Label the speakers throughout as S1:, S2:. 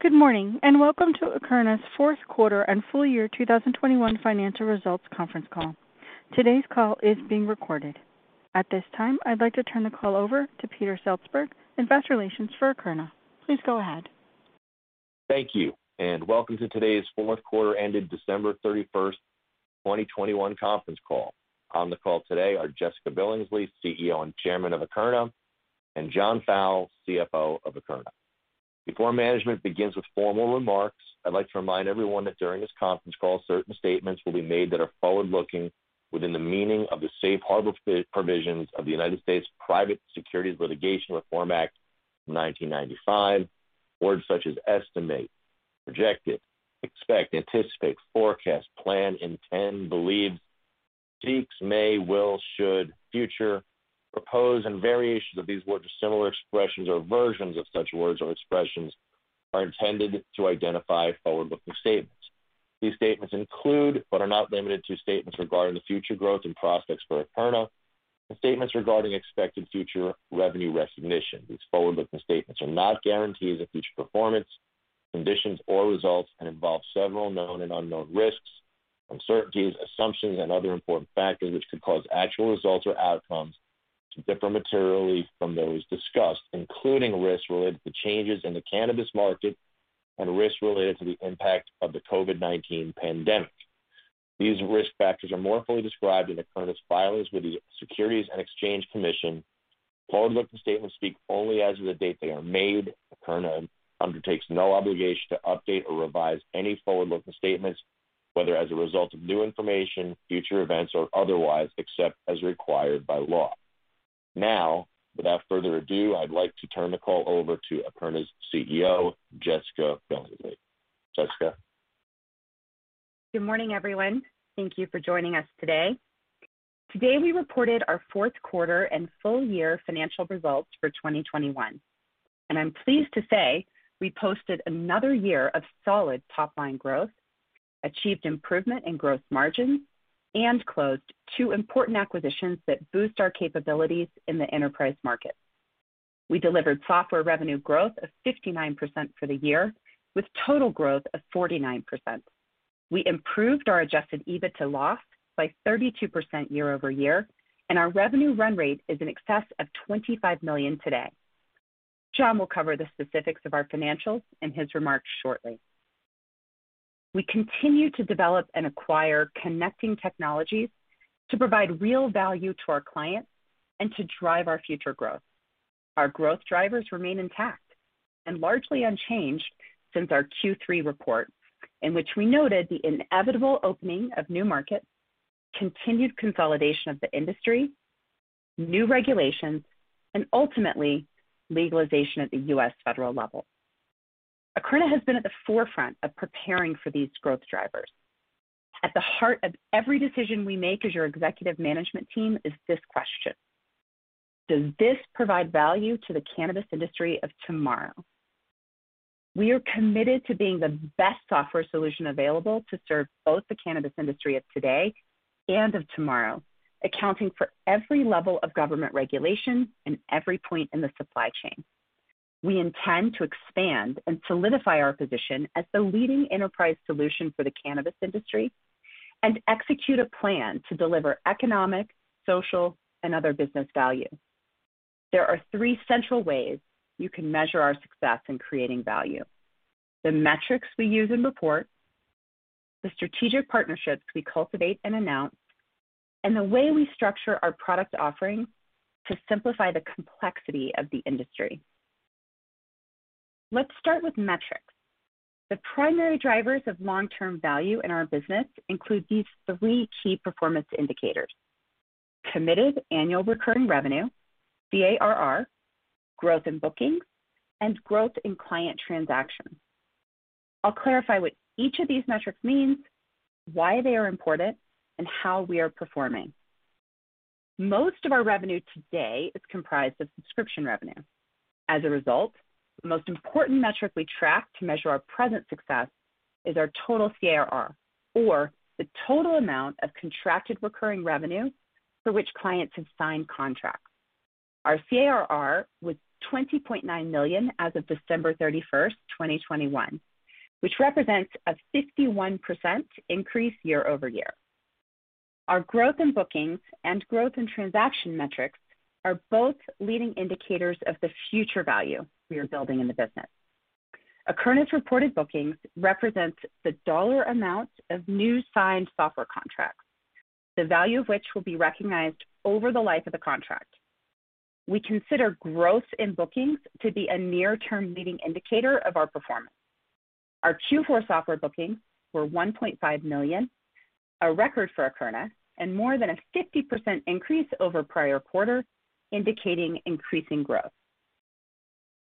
S1: Good morning, and welcome to Akerna's fourth quarter and full year 2021 financial results conference call. Today's call is being recorded. At this time, I'd like to turn the call over to Peter Seltzberg, Investor Relations for Akerna. Please go ahead.
S2: Thank you, and welcome to today's fourth quarter ended December 31st, 2021 conference call. On the call today are Jessica Billingsley, CEO and Chairman of Akerna, and John Fowle, CFO of Akerna. Before management begins with formal remarks, I'd like to remind everyone that during this conference call, certain statements will be made that are forward-looking within the meaning of the safe harbor provisions of the United States Private Securities Litigation Reform Act of 1995. Words such as estimate, projected, expect, anticipate, forecast, plan, intend, believe, seeks, may, will, should, future, propose, and variations of these words or similar expressions, or versions of such words or expressions are intended to identify forward-looking statements. These statements include, but are not limited to, statements regarding the future growth and prospects for Akerna and statements regarding expected future revenue recognition. These forward-looking statements are not guarantees of future performance, conditions, or results, and involve several known and unknown risks, uncertainties, assumptions, and other important factors which could cause actual results or outcomes to differ materially from those discussed, including risks related to changes in the cannabis market and risks related to the impact of the COVID-19 pandemic. These risk factors are more fully described in Akerna's filings with the Securities and Exchange Commission. Forward-looking statements speak only as of the date they are made. Akerna undertakes no obligation to update or revise any forward-looking statements, whether as a result of new information, future events, or otherwise, except as required by law. Now, without further ado, I'd like to turn the call over to Akerna's CEO, Jessica Billingsley. Jessica.
S3: Good morning, everyone. Thank you for joining us today. Today, we reported our fourth quarter and full year financial results for 2021, and I'm pleased to say we posted another year of solid top-line growth, achieved improvement in gross margins, and closed two important acquisitions that boost our capabilities in the enterprise market. We delivered software revenue growth of 59% for the year, with total growth of 49%. We improved our adjusted EBITDA loss by 32% year-over-year, and our revenue run rate is in excess of $25 million today. John will cover the specifics of our financials in his remarks shortly. We continue to develop and acquire connecting technologies to provide real value to our clients and to drive our future growth. Our growth drivers remain intact and largely unchanged since our Q3 report, in which we noted the inevitable opening of new markets, continued consolidation of the industry, new regulations, and ultimately legalization at the U.S. federal level. Akerna has been at the forefront of preparing for these growth drivers. At the heart of every decision we make as your executive management team is this question. Does this provide value to the cannabis industry of tomorrow? We are committed to being the best software solution available to serve both the cannabis industry of today and of tomorrow, accounting for every level of government regulation and every point in the supply chain. We intend to expand and solidify our position as the leading enterprise solution for the cannabis industry and execute a plan to deliver economic, social, and other business value. There are three central ways you can measure our success in creating value. The metrics we use in reports, the strategic partnerships we cultivate and announce, and the way we structure our product offerings to simplify the complexity of the industry. Let's start with metrics. The primary drivers of long-term value in our business include these three key performance indicators. Committed annual recurring revenue, the ARR, growth in bookings, and growth in client transactions. I'll clarify what each of these metrics means, why they are important, and how we are performing. Most of our revenue today is comprised of subscription revenue. As a result, the most important metric we track to measure our present success is our total CARR, or the total amount of contracted recurring revenue for which clients have signed contracts. Our CARR was $20.9 million as of December 31st, 2021, which represents a 51% increase year-over-year. Our growth in bookings and growth in transaction metrics are both leading indicators of the future value we are building in the business. Akerna's reported bookings represents the dollar amount of new signed software contracts, the value of which will be recognized over the life of the contract. We consider growth in bookings to be a near-term leading indicator of our performance. Our Q4 software bookings were $1.5 million, a record for Akerna, and more than a 50% increase over prior quarter, indicating increasing growth.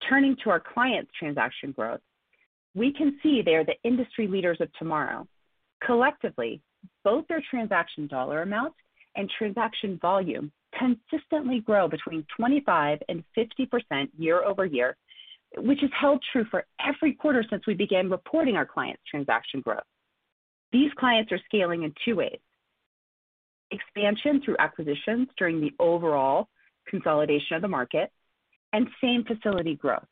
S3: Turning to our clients' transaction growth, we can see they are the industry leaders of tomorrow. Collectively, both their transaction dollar amount and transaction volume consistently grow between 25% and 50% year-over-year, which has held true for every quarter since we began reporting our clients' transaction growth. These clients are scaling in two ways, expansion through acquisitions during the overall consolidation of the market and same facility growth.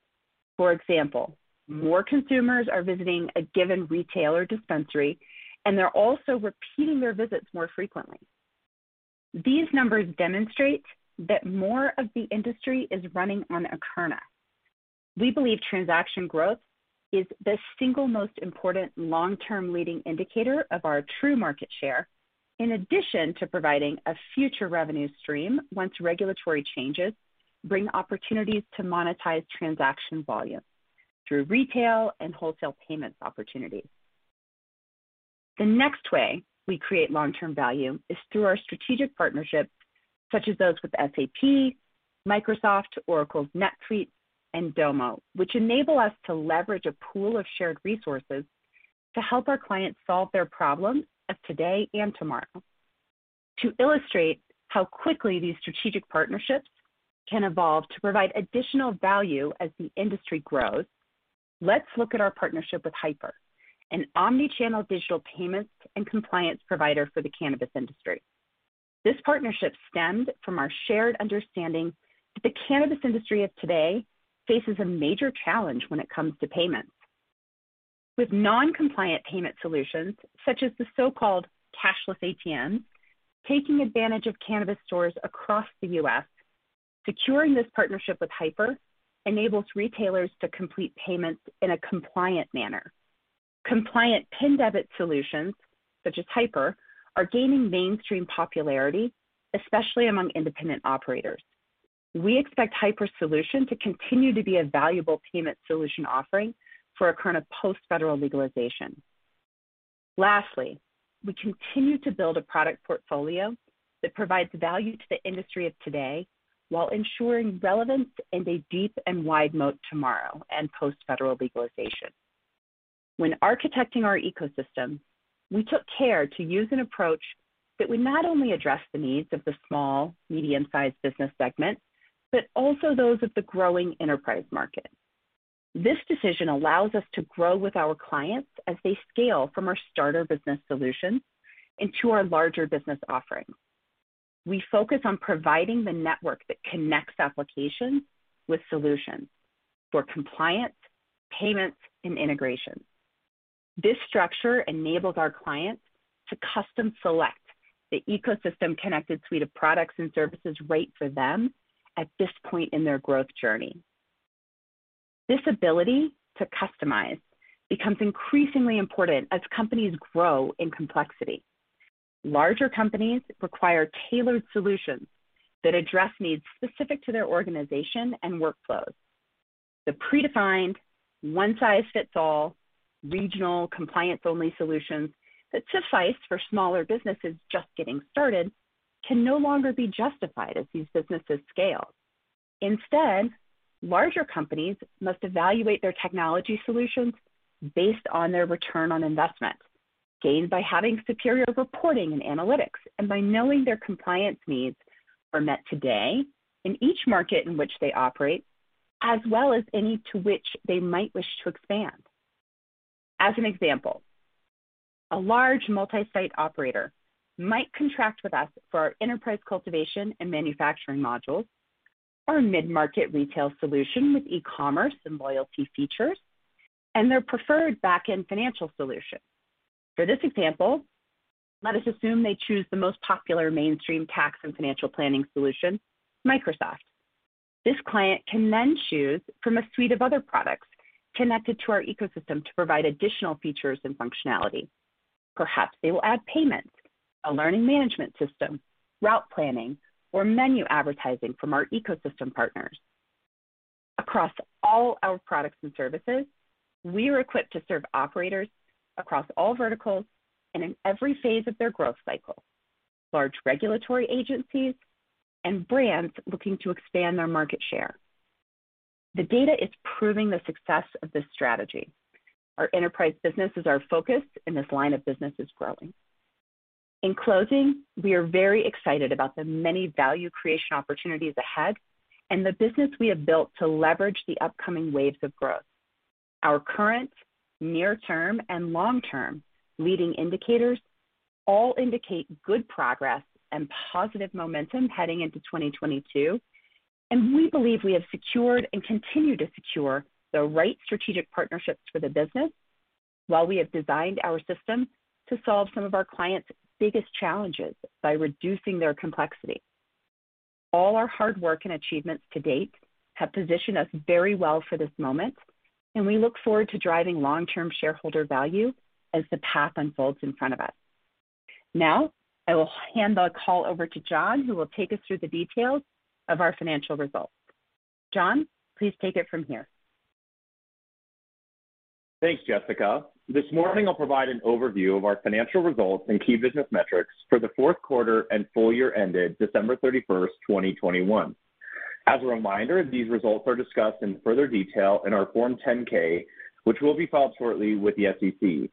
S3: For example, more consumers are visiting a given retail or dispensary, and they're also repeating their visits more frequently. These numbers demonstrate that more of the industry is running on Akerna. We believe transaction growth is the single most important long-term leading indicator of our true market share, in addition to providing a future revenue stream once regulatory changes bring opportunities to monetize transaction volume through retail and wholesale payments opportunities. The next way we create long-term value is through our strategic partnerships, such as those with SAP, Microsoft, Oracle NetSuite, and Domo, which enable us to leverage a pool of shared resources to help our clients solve their problems of today and tomorrow. To illustrate how quickly these strategic partnerships can evolve to provide additional value as the industry grows, let's look at our partnership with Hypur, an omnichannel digital payments and compliance provider for the cannabis industry. This partnership stemmed from our shared understanding that the cannabis industry of today faces a major challenge when it comes to payments. With non-compliant payment solutions, such as the so-called cashless ATMs, taking advantage of cannabis stores across the U.S., securing this partnership with Hypur enables retailers to complete payments in a compliant manner. Compliant PIN debit solutions, such as Hypur, are gaining mainstream popularity, especially among independent operators. We expect Hypur's solution to continue to be a valuable payment solution offering for Akerna post-federal legalization. Lastly, we continue to build a product portfolio that provides value to the industry of today while ensuring relevance in a deep and wide moat tomorrow and post-federal legalization. When architecting our ecosystem, we took care to use an approach that would not only address the needs of the small, medium-sized business segment, but also those of the growing enterprise market. This decision allows us to grow with our clients as they scale from our starter business solutions into our larger business offerings. We focus on providing the network that connects applications with solutions for compliance, payments, and integrations. This structure enables our clients to custom select the ecosystem-connected suite of products and services right for them at this point in their growth journey. This ability to customize becomes increasingly important as companies grow in complexity. Larger companies require tailored solutions that address needs specific to their organization and workflows. The predefined, one-size-fits-all, regional, compliance-only solutions that suffice for smaller businesses just getting started can no longer be justified as these businesses scale. Instead, larger companies must evaluate their technology solutions based on their return on investment, gained by having superior reporting and analytics, and by knowing their compliance needs are met today in each market in which they operate, as well as any to which they might wish to expand. As an example, a large multi-site operator might contract with us for our enterprise cultivation and manufacturing modules, our mid-market retail solution with e-commerce and loyalty features, and their preferred back-end financial solution. For this example, let us assume they choose the most popular mainstream tax and financial planning solution, Microsoft. This client can then choose from a suite of other products connected to our ecosystem to provide additional features and functionality. Perhaps they will add payments, a learning management system, route planning, or menu advertising from our ecosystem partners. Across all our products and services, we are equipped to serve operators across all verticals and in every phase of their growth cycle, large regulatory agencies, and brands looking to expand their market share. The data is proving the success of this strategy. Our enterprise business is our focus, and this line of business is growing. In closing, we are very excited about the many value creation opportunities ahead and the business we have built to leverage the upcoming waves of growth. Our current, near-term, and long-term leading indicators all indicate good progress and positive momentum heading into 2022, and we believe we have secured and continue to secure the right strategic partnerships for the business, while we have designed our system to solve some of our clients' biggest challenges by reducing their complexity. All our hard work and achievements to date have positioned us very well for this moment, and we look forward to driving long-term shareholder value as the path unfolds in front of us. Now, I will hand the call over to John, who will take us through the details of our financial results. John, please take it from here.
S4: Thanks, Jessica. This morning I'll provide an overview of our financial results and key business metrics for the fourth quarter and full year ended December 31st, 2021. As a reminder, these results are discussed in further detail in our Form 10-K, which will be filed shortly with the SEC.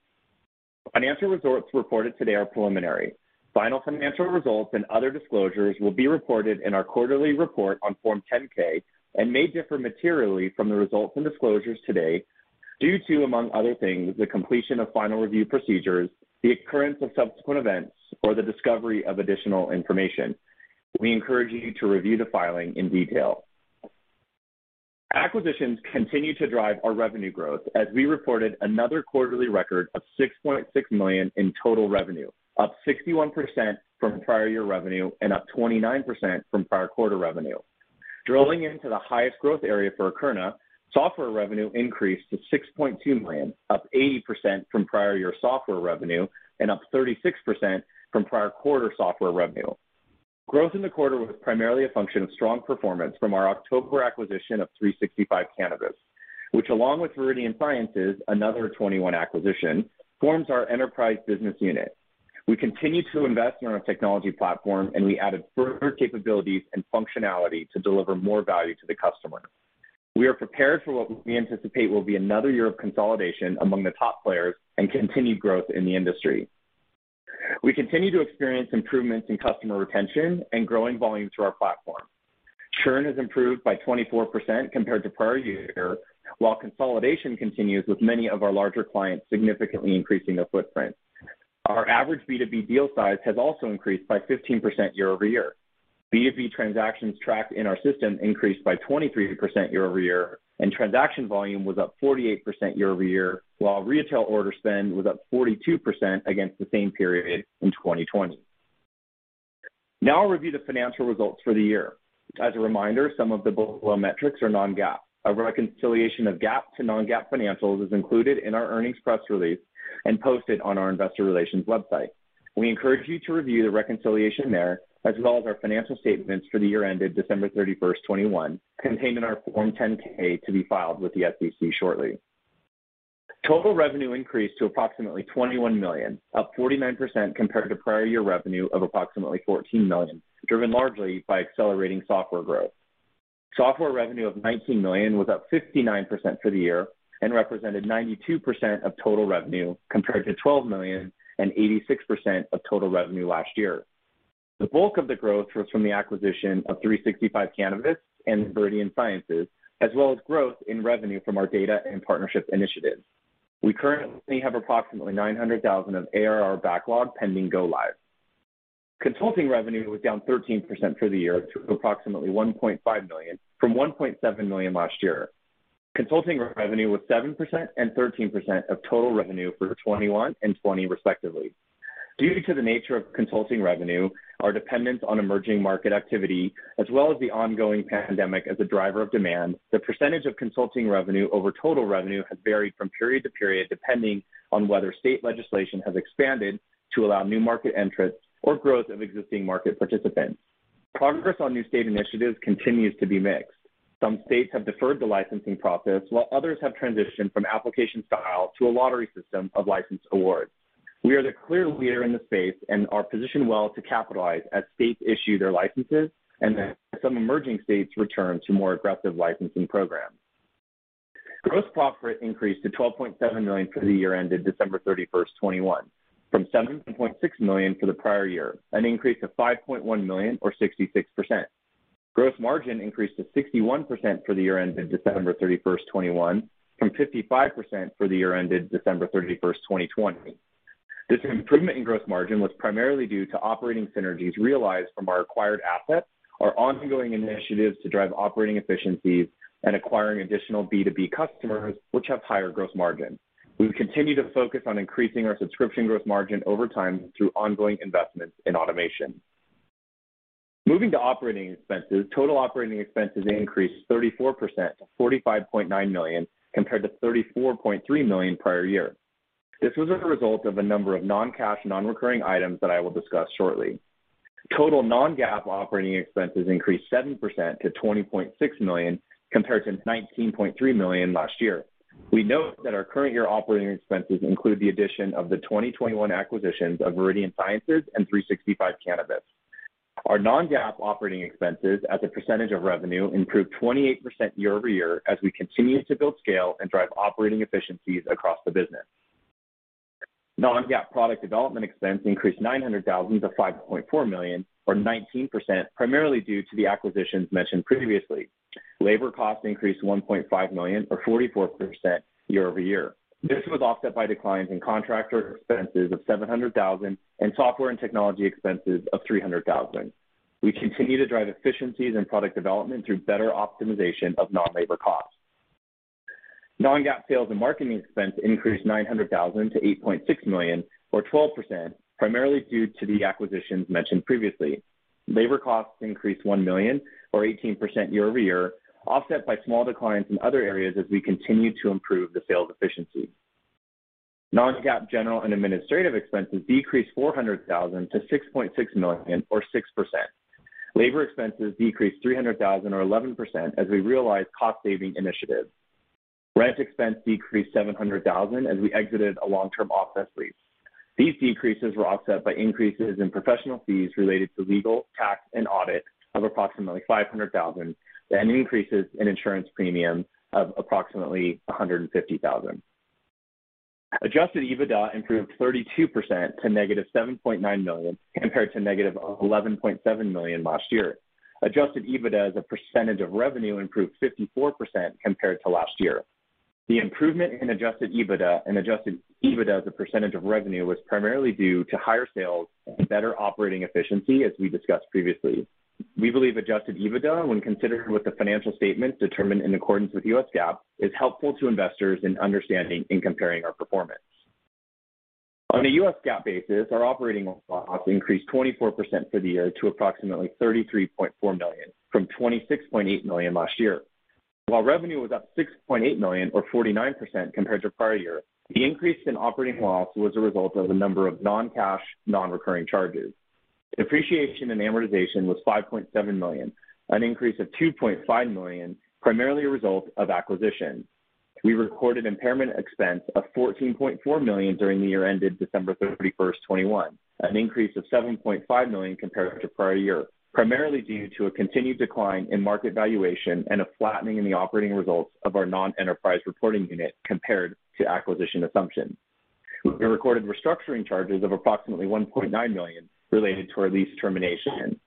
S4: Financial results reported today are preliminary. Final financial results and other disclosures will be reported in our quarterly report on Form 10-K and may differ materially from the results and disclosures today due to, among other things, the completion of final review procedures, the occurrence of subsequent events, or the discovery of additional information. We encourage you to review the filing in detail. Acquisitions continue to drive our revenue growth as we reported another quarterly record of $6.6 million in total revenue, up 61% from prior year revenue and up 29% from prior quarter revenue. Drilling into the highest growth area for Akerna, software revenue increased to $6.2 million, up 80% from prior year software revenue and up 36% from prior quarter software revenue. Growth in the quarter was primarily a function of strong performance from our October acquisition of 365 Cannabis, which along with Viridian Sciences, another 2021 acquisition, forms our enterprise business unit. We continue to invest in our technology platform, and we added further capabilities and functionality to deliver more value to the customer. We are prepared for what we anticipate will be another year of consolidation among the top players and continued growth in the industry. We continue to experience improvements in customer retention and growing volume through our platform. Churn has improved by 24% compared to prior year, while consolidation continues with many of our larger clients significantly increasing their footprint. Our average B2B deal size has also increased by 15% year-over-year. B2B transactions tracked in our system increased by 23% year-over-year, and transaction volume was up 48% year-over-year, while retail order spend was up 42% against the same period in 2020. Now I'll review the financial results for the year. As a reminder, some of the below metrics are non-GAAP. A reconciliation of GAAP to non-GAAP financials is included in our earnings press release and posted on our investor relations website. We encourage you to review the reconciliation there, as well as our financial statements for the year ended December 31st, 2021, contained in our Form 10-K to be filed with the SEC shortly. Total revenue increased to approximately $21 million, up 49% compared to prior year revenue of approximately $14 million, driven largely by accelerating software growth. Software revenue of $19 million was up 59% for the year and represented 92% of total revenue, compared to $12 million and 86% of total revenue last year. The bulk of the growth was from the acquisition of 365 Cannabis and Viridian Sciences, as well as growth in revenue from our data and partnership initiatives. We currently have approximately 900,000 of ARR backlog pending go live. Consulting revenue was down 13% for the year to approximately $1.5 million from $1.7 million last year. Consulting revenue was 7% and 13% of total revenue for 2021 and 2020 respectively. Due to the nature of consulting revenue, our dependence on emerging market activity, as well as the ongoing pandemic as a driver of demand, the percentage of consulting revenue over total revenue has varied from period to period, depending on whether state legislation has expanded to allow new market entrants or growth of existing market participants. Progress on new state initiatives continues to be mixed. Some states have deferred the licensing process, while others have transitioned from application style to a lottery system of license awards. We are the clear leader in the space and are positioned well to capitalize as states issue their licenses and as some emerging states return to more aggressive licensing programs. Gross profit increased to $12.7 million for the year ended December 31st, 2021, from $7.6 million for the prior year, an increase of $5.1 million or 66%. Gross margin increased to 61% for the year ended December 31st, 2021, from 55% for the year ended December 31st, 2020. This improvement in gross margin was primarily due to operating synergies realized from our acquired assets, our ongoing initiatives to drive operating efficiencies and acquiring additional B2B customers which have higher gross margin. We continue to focus on increasing our subscription gross margin over time through ongoing investments in automation. Moving to operating expenses, total operating expenses increased 34% to $45.9 million, compared to $34.3 million prior year. This was as a result of a number of non-cash, non-recurring items that I will discuss shortly. Total non-GAAP operating expenses increased 7% to $20.6 million, compared to $19.3 million last year. We note that our current year operating expenses include the addition of the 2021 acquisitions of Viridian Sciences and 365 Cannabis. Our non-GAAP operating expenses as a percentage of revenue improved 28% year-over-year as we continue to build scale and drive operating efficiencies across the business. Non-GAAP product development expense increased $900,000 to $5.4 million, or 19%, primarily due to the acquisitions mentioned previously. Labor costs increased $1.5 million, or 44% year-over-year. This was offset by declines in contractor expenses of $700,000 and software and technology expenses of $300,000. We continue to drive efficiencies in product development through better optimization of non-labor costs. Non-GAAP sales and marketing expense increased $900,000 to $8.6 million, or 12%, primarily due to the acquisitions mentioned previously. Labor costs increased $1 million or 18% year over year, offset by small declines in other areas as we continue to improve the sales efficiency. Non-GAAP general and administrative expenses decreased $400,000 to $6.6 million or 6%. Labor expenses decreased $300,000 or 11% as we realized cost saving initiatives. Rent expense decreased $700,000 as we exited a long-term office lease. These decreases were offset by increases in professional fees related to legal, tax, and audit of approximately $500,000, and increases in insurance premium of approximately $150,000. Adjusted EBITDA improved 32% to -$7.9 million, compared to -$11.7 million last year. Adjusted EBITDA as a percentage of revenue improved 54% compared to last year. The improvement in adjusted EBITDA and adjusted EBITDA as a percentage of revenue was primarily due to higher sales and better operating efficiency, as we discussed previously. We believe adjusted EBITDA, when considered with the financial statements determined in accordance with the U.S. GAAP, is helpful to investors in understanding and comparing our performance. On a U.S. GAAP basis, our operating loss increased 24% for the year to approximately $33.4 million from $26.8 million last year. While revenue was up $6.8 million or 49% compared to prior year, the increase in operating loss was a result of a number of non-cash, non-recurring charges. Depreciation and amortization was $5.7 million, an increase of $2.5 million, primarily a result of acquisition. We recorded impairment expense of $14.4 million during the year ended December 31st, 2021, an increase of $7.5 million compared to prior year, primarily due to a continued decline in market valuation and a flattening in the operating results of our non-enterprise reporting unit compared to acquisition assumptions. We recorded restructuring charges of approximately $1.9 million related to our lease termination.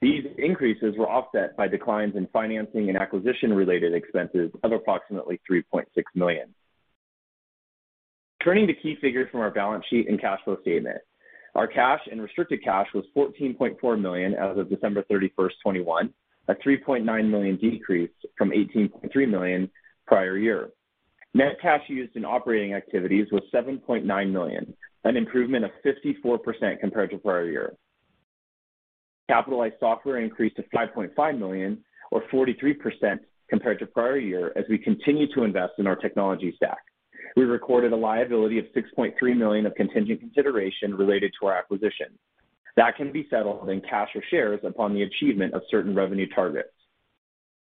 S4: These increases were offset by declines in financing and acquisition-related expenses of approximately $3.6 million. Turning to key figures from our balance sheet and cash flow statement. Our cash and restricted cash was $14.4 million as of December 31st, 2021, a $3.9 million decrease from $18.3 million prior year. Net cash used in operating activities was $7.9 million, an improvement of 54% compared to prior year. Capitalized software increased to $5.5 million or 43% compared to prior year as we continue to invest in our technology stack. We recorded a liability of $6.3 million of contingent consideration related to our acquisition. That can be settled in cash or shares upon the achievement of certain revenue targets.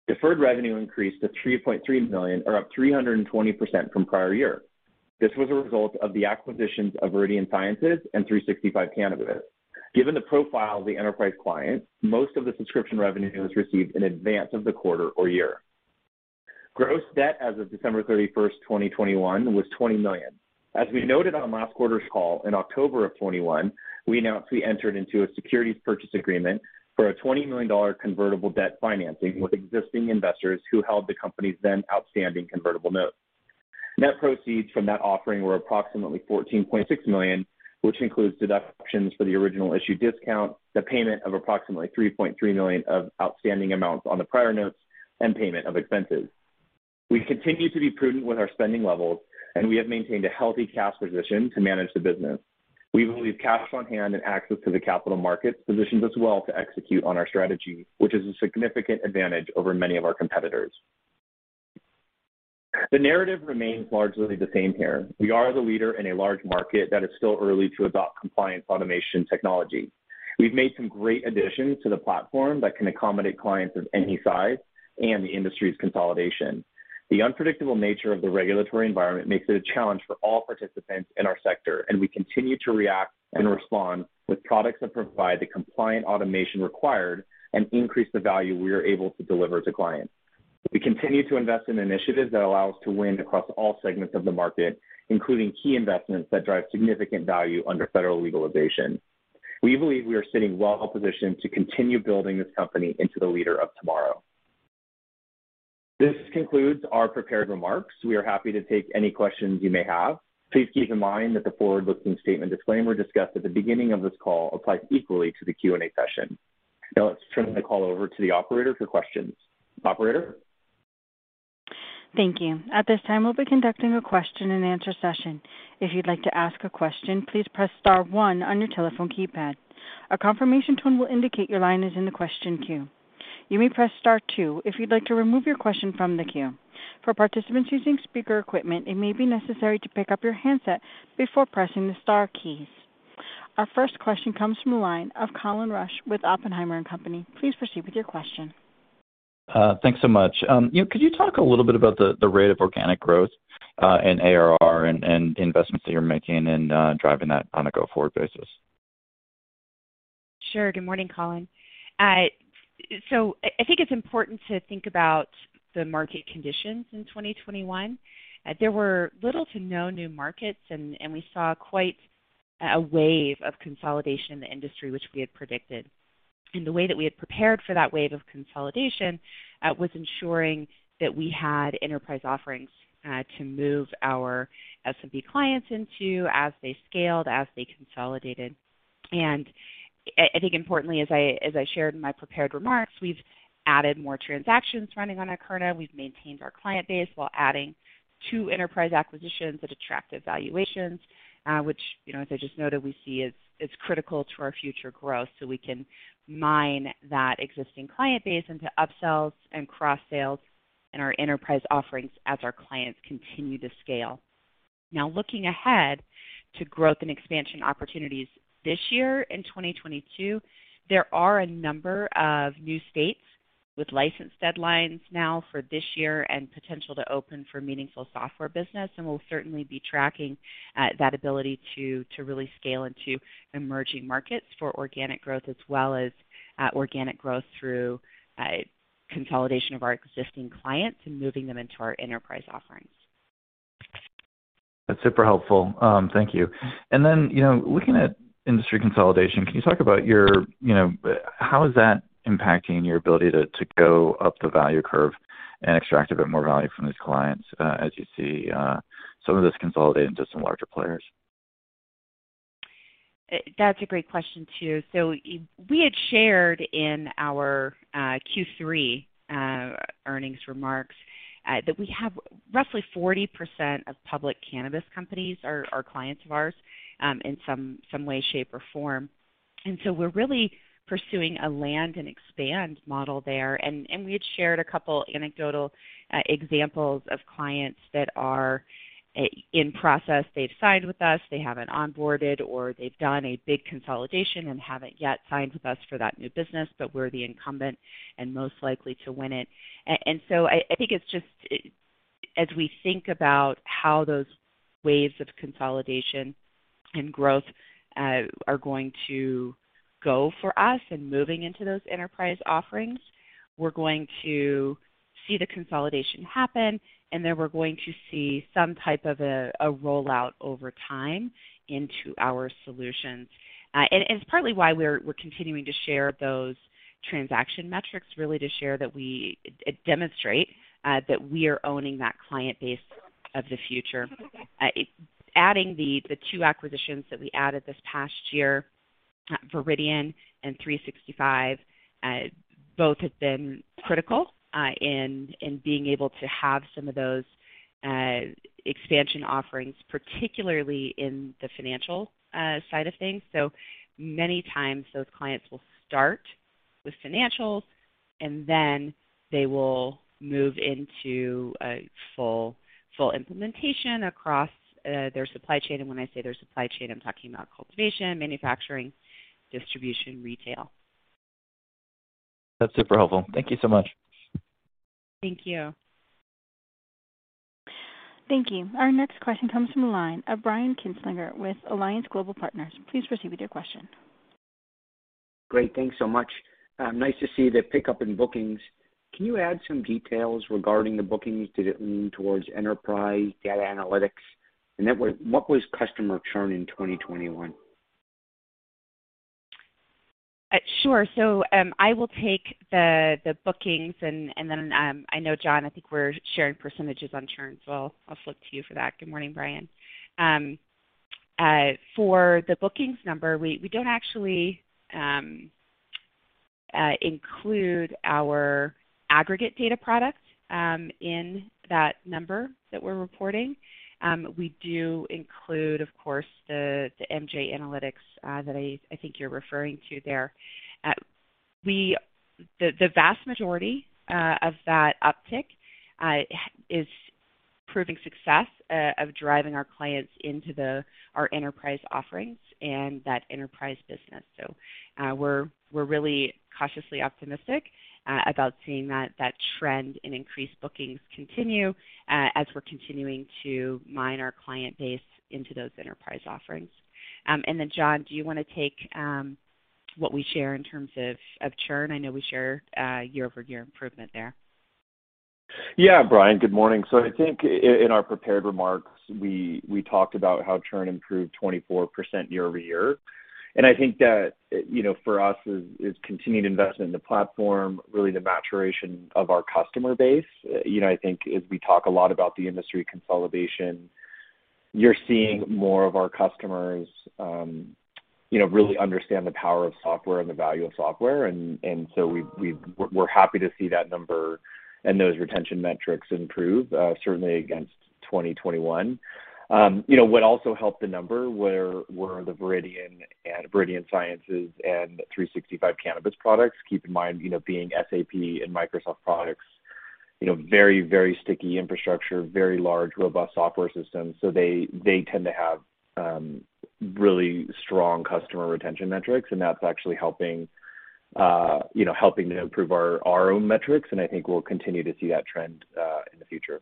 S4: Deferred revenue increased to $3.3 million or up 320% from prior year. This was a result of the acquisitions of Viridian Sciences and 365 Cannabis. Given the profile of the enterprise clients, most of the subscription revenue was received in advance of the quarter or year. Gross debt as of December 31st, 2021 was $20 million. As we noted on last quarter's call in October 2021, we announced we entered into a securities purchase agreement for a $20 million convertible debt financing with existing investors who held the company's then outstanding convertible notes. Net proceeds from that offering were approximately $14.6 million, which includes deductions for the original issue discount, the payment of approximately $3.3 million of outstanding amounts on the prior notes, and payment of expenses. We continue to be prudent with our spending levels, and we have maintained a healthy cash position to manage the business. We believe cash on hand and access to the capital markets positions us well to execute on our strategy, which is a significant advantage over many of our competitors. The narrative remains largely the same here. We are the leader in a large market that is still early to adopt compliance automation technology. We've made some great additions to the platform that can accommodate clients of any size and the industry's consolidation. The unpredictable nature of the regulatory environment makes it a challenge for all participants in our sector, and we continue to react and respond with products that provide the compliant automation required and increase the value we are able to deliver to clients. We continue to invest in initiatives that allow us to win across all segments of the market, including key investments that drive significant value under federal legalization. We believe we are sitting well positioned to continue building this company into the leader of tomorrow. This concludes our prepared remarks. We are happy to take any questions you may have. Please keep in mind that the forward-looking statement disclaimer discussed at the beginning of this call applies equally to the Q&A session. Now let's turn the call over to the operator for questions. Operator?
S1: Thank you. At this time, we'll be conducting a question and answer session. If you'd like to ask a question, please press star one on your telephone keypad. A confirmation tone will indicate your line is in the question queue. You may press star two if you'd like to remove your question from the queue. For participants using speaker equipment, it may be necessary to pick up your handset before pressing the star keys. Our first question comes from the line of Colin Rusch with Oppenheimer & Co Inc. Please proceed with your question.
S5: Thanks so much. You know, could you talk a little bit about the rate of organic growth in ARR and the investments that you're making in driving that on a go-forward basis?
S3: Sure. Good morning, Colin. I think it's important to think about the market conditions in 2021. There were little to no new markets, and we saw quite a wave of consolidation in the industry, which we had predicted. The way that we had prepared for that wave of consolidation was ensuring that we had enterprise offerings to move our SMB clients into as they scaled, as they consolidated. I think importantly, as I shared in my prepared remarks, we've added more transactions running on Akerna. We've maintained our client base while adding two enterprise acquisitions at attractive valuations, which, you know, as I just noted, we see as critical to our future growth so we can mine that existing client base into upsells and cross-sales and our enterprise offerings as our clients continue to scale. Now, looking ahead to growth and expansion opportunities this year in 2022, there are a number of new states with license deadlines now for this year and potential to open for meaningful software business, and we'll certainly be tracking that ability to really scale into emerging markets for organic growth as well as organic growth through consolidation of our existing clients and moving them into our enterprise offerings.
S5: That's super helpful. Thank you. You know, looking at industry consolidation, can you talk about your, you know, how is that impacting your ability to go up the value curve and extract a bit more value from these clients, as you see, some of this consolidating to some larger players?
S3: That's a great question too. We had shared in our Q3 earnings remarks that we have roughly 40% of public cannabis companies are clients of ours in some way, shape, or form. We're really pursuing a land and expand model there. We had shared a couple anecdotal examples of clients that are in process. They've signed with us, they haven't onboarded, or they've done a big consolidation and haven't yet signed with us for that new business, but we're the incumbent and most likely to win it. I think it's just. As we think about how those waves of consolidation and growth are going to go for us and moving into those enterprise offerings, we're going to see the consolidation happen, and then we're going to see some type of a rollout over time into our solutions. It's partly why we're continuing to share those transaction metrics, really to share that we demonstrate that we are owning that client base of the future. Adding the two acquisitions that we added this past year, Viridian and 365, both have been critical in being able to have some of those expansion offerings, particularly in the financial side of things. Many times those clients will start with financials, and then they will move into a full implementation across their supply chain. When I say their supply chain, I'm talking about cultivation, manufacturing, distribution, retail.
S5: That's super helpful. Thank you so much.
S3: Thank you.
S1: Thank you. Our next question comes from the line of Brian Kinstlinger with Alliance Global Partners. Please proceed with your question.
S6: Great. Thanks so much. Nice to see the pickup in bookings. Can you add some details regarding the bookings? Did it lean towards enterprise data analytics? What was customer churn in 2021?
S3: Sure. I will take the bookings and then I know, John, I think we're sharing percentages on churn, so I'll flip to you for that. Good morning, Brian Kinstlinger. For the bookings number, we don't actually include our aggregate data products in that number that we're reporting. We do include, of course, the MJ Analytics that I think you're referring to there. The vast majority of that uptick is proving success of driving our clients into our enterprise offerings and that enterprise business. We're really cautiously optimistic about seeing that trend in increased bookings continue as we're continuing to mine our client base into those enterprise offerings. Then John, do you wanna take what we share in terms of churn? I know we share year-over-year improvement there.
S4: Yeah. Brian, good morning. I think in our prepared remarks, we talked about how churn improved 24% year-over-year. I think that, you know, for us is continued investment in the platform, really the maturation of our customer base. You know, I think as we talk a lot about the industry consolidation, you're seeing more of our customers, you know, really understand the power of software and the value of software. So we're happy to see that number and those retention metrics improve, certainly against 2021. You know, what also helped the number were the Viridian Sciences and 365 Cannabis products. Keep in mind, you know, being SAP and Microsoft products, you know, very, very sticky infrastructure, very large, robust software systems. They tend to have really strong customer retention metrics, and that's actually helping, you know, helping to improve our own metrics, and I think we'll continue to see that trend in the future.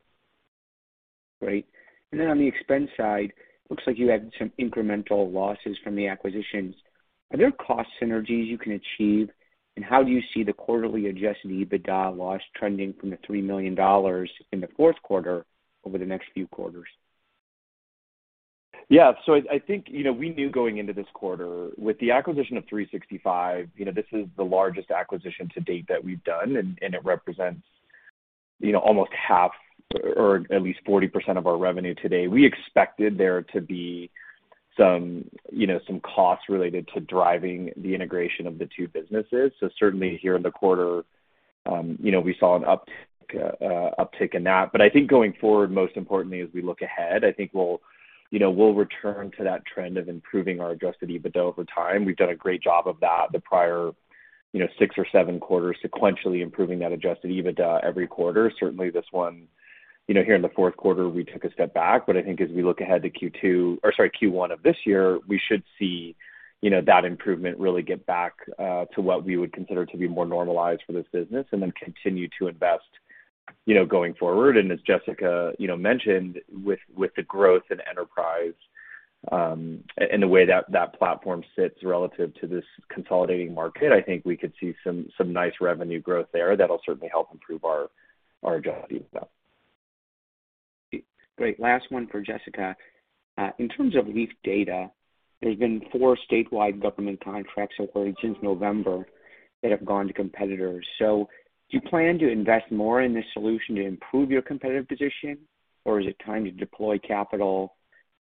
S6: Great. On the expense side, looks like you had some incremental losses from the acquisitions. Are there cost synergies you can achieve? How do you see the quarterly adjusted EBITDA loss trending from the $3 million in the fourth quarter over the next few quarters?
S4: Yeah. I think, you know, we knew going into this quarter with the acquisition of 365, you know, this is the largest acquisition to date that we've done, and it represents, you know, almost half or at least 40% of our revenue today. We expected there to be some, you know, some costs related to driving the integration of the two businesses. Certainly here in the quarter, you know, we saw an uptick in that. I think going forward, most importantly, as we look ahead, I think we'll, you know, we'll return to that trend of improving our adjusted EBITDA over time. We've done a great job of that the prior, you know, six or seven quarters, sequentially improving that adjusted EBITDA every quarter. Certainly, this one, you know, here in the fourth quarter, we took a step back. I think as we look ahead to Q1 of this year, we should see, you know, that improvement really get back to what we would consider to be more normalized for this business and then continue to invest, you know, going forward. As Jessica, you know, mentioned with the growth in enterprise, and the way that that platform sits relative to this consolidating market, I think we could see some nice revenue growth there that'll certainly help improve our agility as well.
S6: Great. Last one for Jessica. In terms of Leaf Data, there's been four statewide government contracts awarded since November that have gone to competitors. Do you plan to invest more in this solution to improve your competitive position, or is it time to deploy capital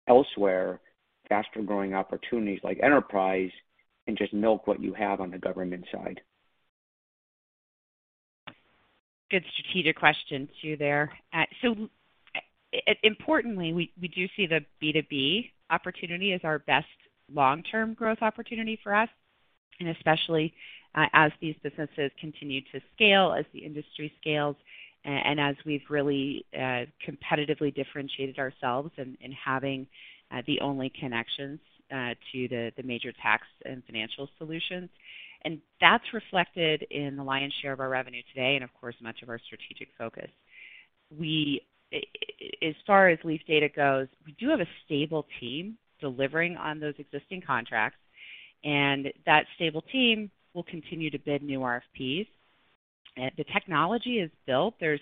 S6: elsewhere, faster-growing opportunities like enterprise, and just milk what you have on the government side?
S3: Good strategic question too there. Importantly, we do see the B2B opportunity as our best long-term growth opportunity for us, and especially as these businesses continue to scale, as the industry scales, and as we've really competitively differentiated ourselves in having the only connections to the major tax and financial solutions. That's reflected in the lion's share of our revenue today and of course, much of our strategic focus. As far as Leaf Data goes, we do have a stable team delivering on those existing contracts, and that stable team will continue to bid new RFPs. The technology is built. There's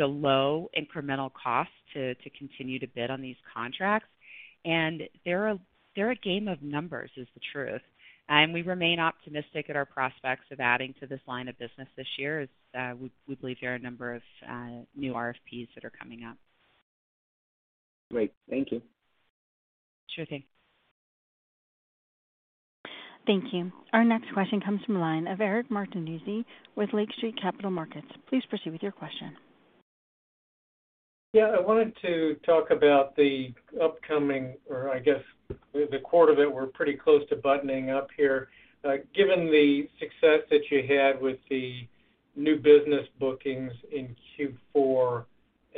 S3: a low incremental cost to continue to bid on these contracts. They're a game of numbers, it's the truth. We remain optimistic at our prospects of adding to this line of business this year as we believe there are a number of new RFPs that are coming up.
S6: Great. Thank you.
S3: Sure thing.
S1: Thank you. Our next question comes from the line of Eric Martinuzzi with Lake Street Capital Markets. Please proceed with your question.
S7: Yeah. I wanted to talk about the upcoming, or I guess the quarter that we're pretty close to buttoning up here. Given the success that you had with the new business bookings in Q4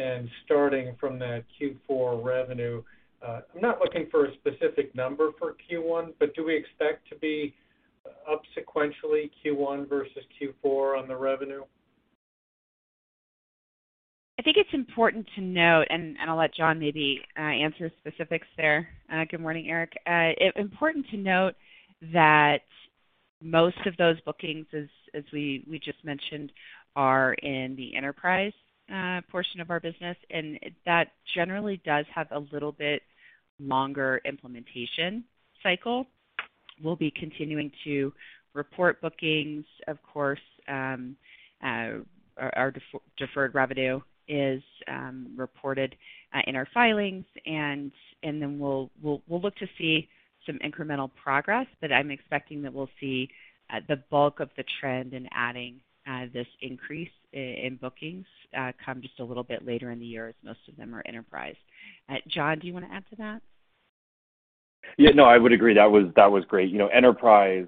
S7: and starting from that Q4 revenue, I'm not looking for a specific number for Q1, but do we expect to be up sequentially Q1 versus Q4 on the revenue?
S3: I think it's important to note. I'll let John maybe answer specifics there. Good morning, Eric. Important to note that most of those bookings, as we just mentioned, are in the enterprise portion of our business, and that generally does have a little bit longer implementation cycle. We'll be continuing to report bookings, of course. Our deferred revenue is reported in our filings, and then we'll look to see some incremental progress, but I'm expecting that we'll see the bulk of the trend in adding this increase in bookings come just a little bit later in the year, as most of them are enterprise. John, do you wanna add to that?
S4: Yeah. No, I would agree. That was great. You know, enterprise,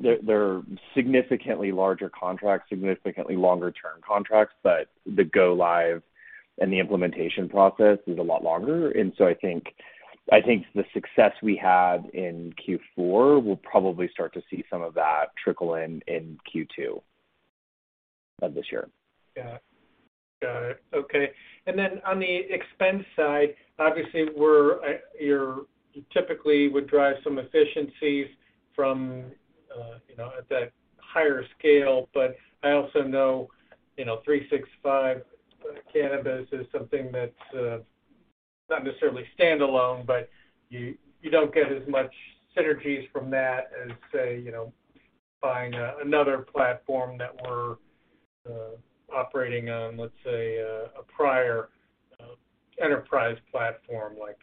S4: they're significantly larger contracts, significantly longer term contracts, but the go live and the implementation process is a lot longer. I think the success we had in Q4, we'll probably start to see some of that trickle in in Q2 of this year.
S7: Yeah. Got it. Okay. On the expense side, obviously you typically would drive some efficiencies from, you know, at that higher scale. But I also know, you know, 365 Cannabis is something that's not necessarily standalone, but you don't get as much synergies from that as say, you know, buying another platform that we're operating on, let's say, a prior enterprise platform like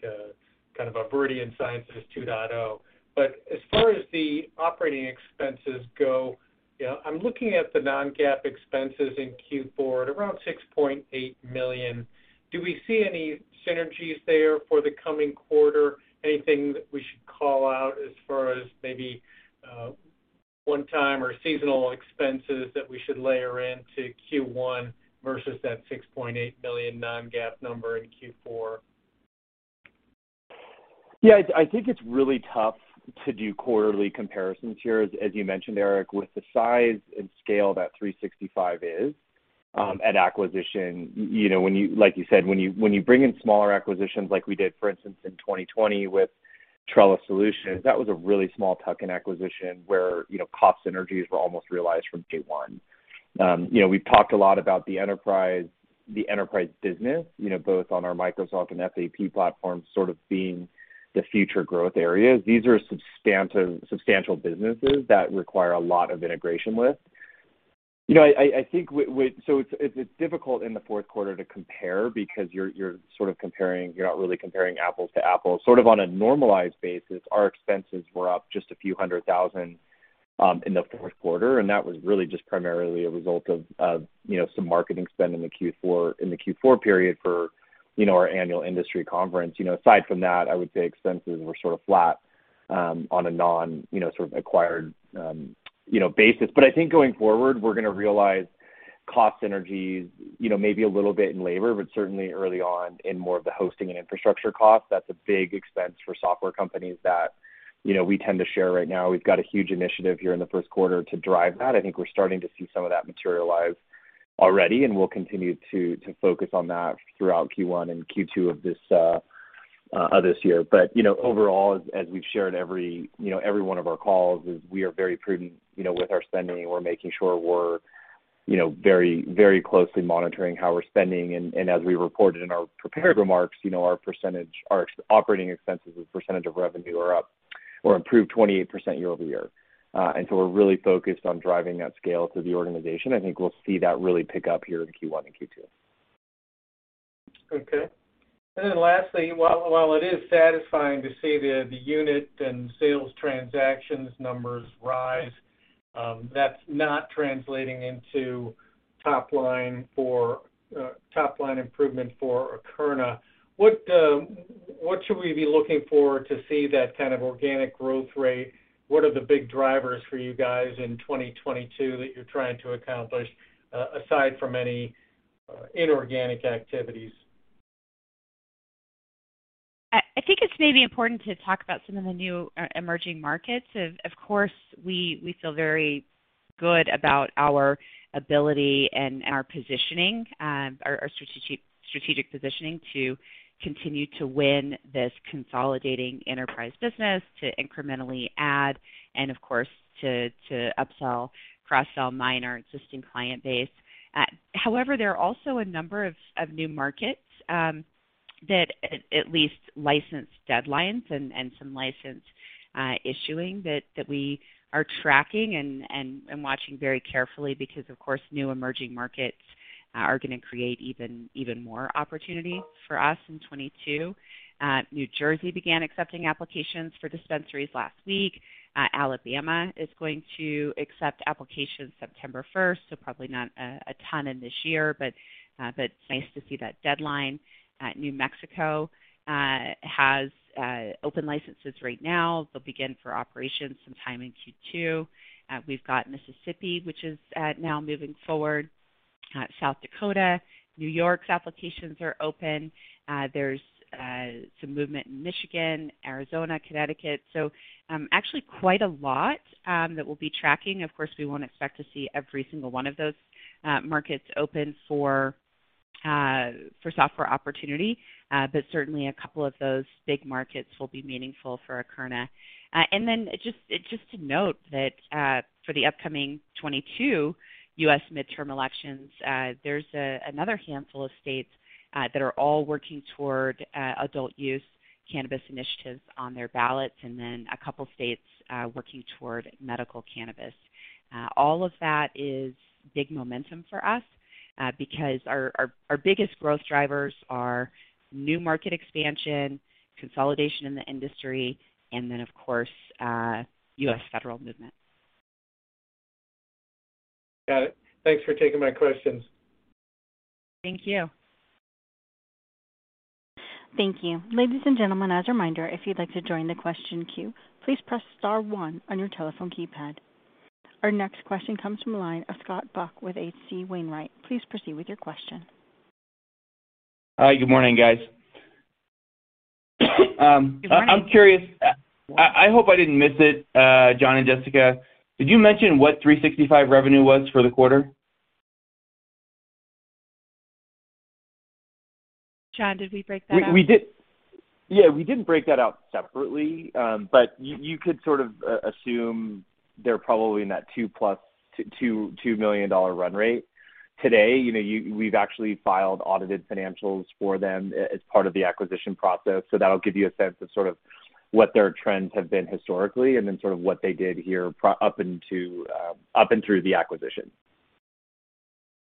S7: kind of a Viridian Sciences 2.0. But as far as the operating expenses go, you know, I'm looking at the non-GAAP expenses in Q4 at around $6.8 million. Do we see any synergies there for the coming quarter? Anything that we should call out as far as maybe one time or seasonal expenses that we should layer in to Q1 versus that $6.8 million non-GAAP number in Q4?
S4: Yeah. I think it's really tough to do quarterly comparisons here, as you mentioned, Eric, with the size and scale that 365 is at acquisition. You know, like you said, when you bring in smaller acquisitions like we did, for instance, in 2020 with Trellis, that was a really small tuck-in acquisition where, you know, cost synergies were almost realized from day one. You know, we've talked a lot about the enterprise business, you know, both on our Microsoft and SAP platforms sort of being the future growth areas. These are substantial businesses that require a lot of integration with. You know, I think it's difficult in the fourth quarter to compare because you're sort of comparing. You're not really comparing apples to apples. Sort of on a normalized basis, our expenses were up just a few hundred thousand in the fourth quarter, and that was really just primarily a result of some marketing spend in the Q4 period for our annual industry conference. Aside from that, I would say expenses were sort of flat on a non-acquired basis. I think going forward, we're gonna realize cost synergies, maybe a little bit in labor, but certainly early on in more of the hosting and infrastructure costs. That's a big expense for software companies that we tend to share right now. We've got a huge initiative here in the first quarter to drive that. I think we're starting to see some of that materialize already, and we'll continue to focus on that throughout Q1 and Q2 of this year. You know, overall, as we've shared every you know, every one of our calls is we are very prudent you know, with our spending. We're making sure we're you know, very, very closely monitoring how we're spending. As we reported in our prepared remarks, you know, our percentage, our operating expenses as a percentage of revenue are up or improved 28% year-over-year. We're really focused on driving that scale through the organization. I think we'll see that really pick up here in Q1 and Q2.
S7: Okay. Lastly, while it is satisfying to see the unit and sales transactions numbers rise, that's not translating into top line improvement for Akerna. What should we be looking for to see that kind of organic growth rate? What are the big drivers for you guys in 2022 that you're trying to accomplish, aside from any inorganic activities?
S3: I think it's maybe important to talk about some of the new emerging markets. Of course, we feel very good about our ability and our positioning, our strategic positioning to continue to win this consolidating enterprise business, to incrementally add and of course to upsell, cross-sell mine our existing client base. However, there are also a number of new markets that at least license deadlines and some license issuing that we are tracking and watching very carefully because, of course, new emerging markets are gonna create even more opportunity for us in 2022. New Jersey began accepting applications for dispensaries last week. Alabama is going to accept applications September 1st. Probably not a ton in this year, but nice to see that deadline. New Mexico has open licenses right now. They'll begin operations sometime in Q2. We've got Mississippi, which is now moving forward. South Dakota, New York's applications are open. There's some movement in Michigan, Arizona, Connecticut. Actually quite a lot that we'll be tracking. Of course, we won't expect to see every single one of those markets open for software opportunity, but certainly a couple of those big markets will be meaningful for Akerna. Just to note that for the upcoming 22 U.S. midterm elections, there's another handful of states that are all working toward adult use cannabis initiatives on their ballots and then a couple states working toward medical cannabis. All of that is big momentum for us, because our biggest growth drivers are new market expansion, consolidation in the industry, and then of course, U.S. federal movement.
S7: Got it. Thanks for taking my questions.
S3: Thank you.
S1: Thank you. Ladies and gentlemen, as a reminder, if you'd like to join the question queue, please press star one on your telephone keypad. Our next question comes from a line of Scott Buck with H.C. Wainwright. Please proceed with your question.
S8: Hi, good morning, guys.
S3: Good morning.
S8: I'm curious. I hope I didn't miss it, John and Jessica. Did you mention what 365 revenue was for the quarter?
S3: John, did we break that out?
S4: We did. Yeah, we didn't break that out separately, but you could sort of assume they're probably in that $2 million run rate today. You know, we've actually filed audited financials for them as part of the acquisition process. That'll give you a sense of sort of what their trends have been historically and then sort of what they did up to and through the acquisition.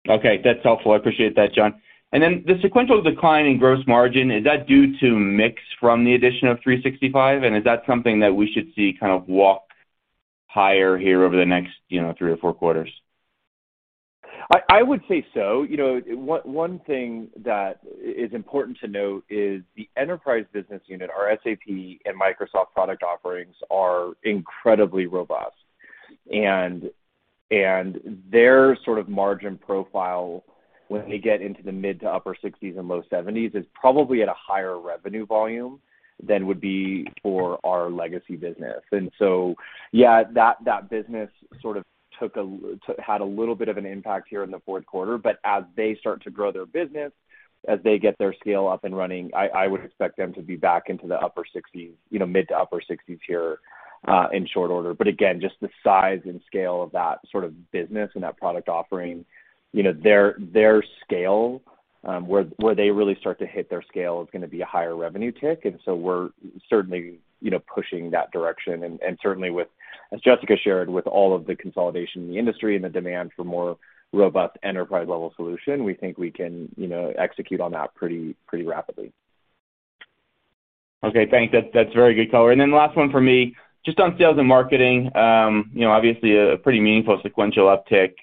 S8: Okay. That's helpful. I appreciate that, John. The sequential decline in gross margin, is that due to mix from the addition of 365? Is that something that we should see kind of walk higher here over the next, you know, three or four quarters?
S4: I would say so. You know, one thing that is important to note is the enterprise business unit. Our SAP and Microsoft product offerings are incredibly robust. Their sort of margin profile when they get into the mid- to upper-60s% and low 70s% is probably at a higher revenue volume than would be for our legacy business. Yeah, that business sort of had a little bit of an impact here in the fourth quarter, but as they start to grow their business, as they get their scale up and running, I would expect them to be back into the upper 60s%, you know, mid- to upper-60s% here in short order. Again, just the size and scale of that sort of business and that product offering, you know, their scale, where they really start to hit their scale is gonna be a higher revenue tick. We're certainly, you know, pushing that direction. Certainly with, as Jessica shared, with all of the consolidation in the industry and the demand for more robust enterprise-level solution, we think we can, you know, execute on that pretty rapidly.
S8: Okay, thanks. That's very good color. Then last one for me, just on sales and marketing, you know, obviously a pretty meaningful sequential uptick.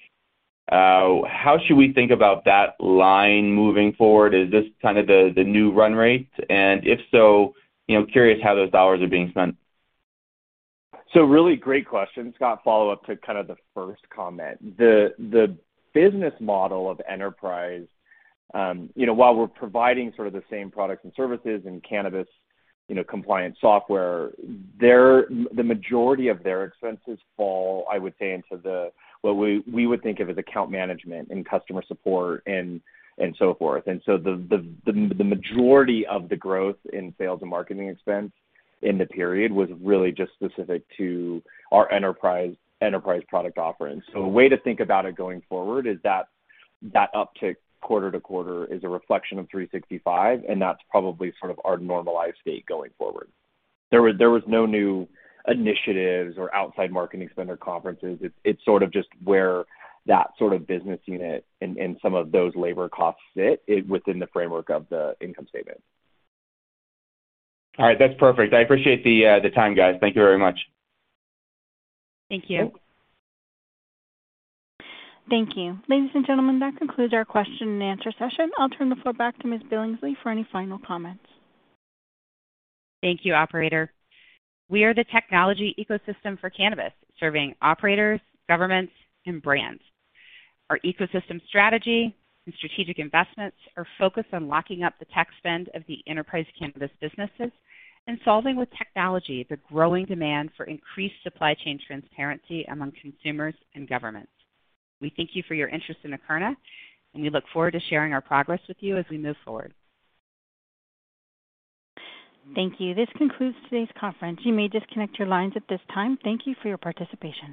S8: How should we think about that line moving forward? Is this kind of the new run rate? If so, you know, I'm curious how those dollars are being spent.
S4: Really great question, Scott. Follow-up to kind of the first comment. The business model of enterprise, you know, while we're providing sort of the same products and services and cannabis, you know, compliance software, the majority of their expenses fall, I would say, into what we would think of as account management and customer support and so forth. The majority of the growth in sales and marketing expense in the period was really just specific to our enterprise product offerings. A way to think about it going forward is that that uptick quarter to quarter is a reflection of 365, and that's probably sort of our normalized state going forward. There was no new initiatives or outside marketing spend or conferences. It's sort of just where that sort of business unit and some of those labor costs sit within the framework of the income statement.
S8: All right, that's perfect. I appreciate the time, guys. Thank you very much.
S3: Thank you.
S1: Thank you. Ladies and gentlemen, that concludes our question and answer session. I'll turn the floor back to Ms. Billingsley for any final comments.
S3: Thank you, operator. We are the technology ecosystem for cannabis, serving operators, governments, and brands. Our ecosystem strategy and strategic investments are focused on locking up the tech spend of the enterprise cannabis businesses and solving with technology the growing demand for increased supply chain transparency among consumers and governments. We thank you for your interest in Akerna, and we look forward to sharing our progress with you as we move forward.
S1: Thank you. This concludes today's conference. You may disconnect your lines at this time. Thank you for your participation.